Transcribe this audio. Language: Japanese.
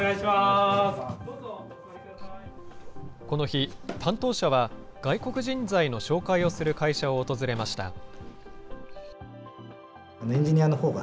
この日、担当者は外国人材の紹介をする会社を訪れました。